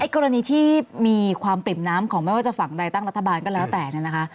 กรณีที่มีความปริ่มน้ำของไม่ว่าจะฝั่งใดตั้งรัฐบาลก็แล้วแต่เนี่ยนะคะ